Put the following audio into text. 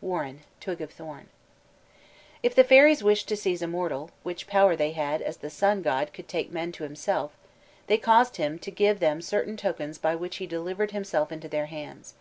WARREN: Twig of Thorn. If the fairies wished to seize a mortal which power they had as the sun god could take men to himself they caused him to give them certain tokens by which he delivered himself into their hands.